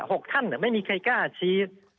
หกท่านไม่มีใครกล้าชี้